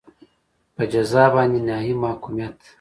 په جزا باندې نهایي محکومیت.